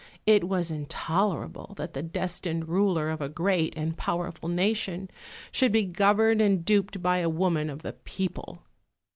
It was intolerable that the destined ruler of a great and powerful nation should be governed and duped by a woman of the people.